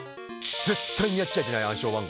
絶対にやっちゃいけない暗証番号４桁。